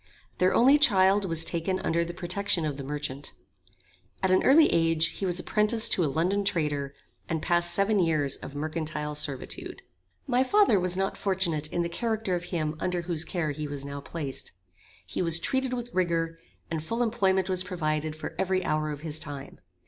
Their only child was taken under the protection of the merchant. At an early age he was apprenticed to a London trader, and passed seven years of mercantile servitude. My father was not fortunate in the character of him under whose care he was now placed. He was treated with rigor, and full employment was provided for every hour of his time.